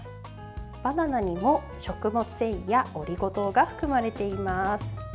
バナナにも食物繊維やオリゴ糖が含まれています。